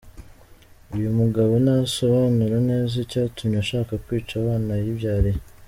Uyu mugabo ntasobanura neza icyatumye ashaka kwica abana yibyariye.